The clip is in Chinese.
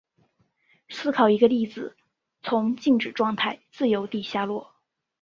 思考一个粒子从静止状态自由地下落。